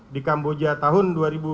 di kamboja tahun dua ribu dua puluh tiga